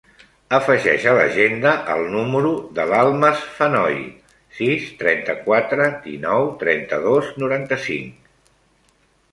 Afegeix a l'agenda el número de l'Almas Fenoy: sis, trenta-quatre, dinou, trenta-dos, noranta-cinc.